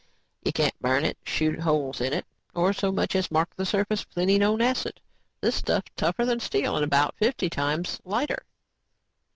"You can't burn it, shoot holes in it, or so much as mark the surface with any known acid. This stuff's tougher than steel and about fifty times lighter."